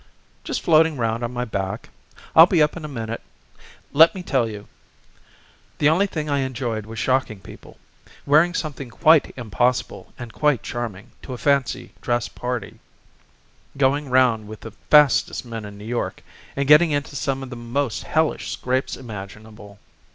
"Just floating round on my back. I'll be up in a minute. Let me tell you. The only thing I enjoyed was shocking people; wearing something quite impossible and quite charming to a fancy dress party, going round with the fastest men in New York, and getting into some of the most hellish scrapes imaginable."